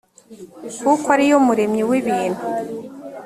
kuko ari yo muremyi w ibintu